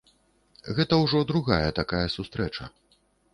Гэта ўжо другая такая сустрэча.